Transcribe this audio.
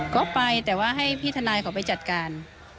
ก็ไปแต่ว่าให้พี่ทนายเขาไปจัดการ